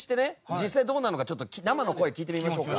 実際どうなのか生の声聞いてみましょうか。